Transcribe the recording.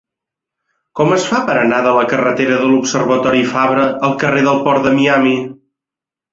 Com es fa per anar de la carretera de l'Observatori Fabra al carrer del Port de Miami?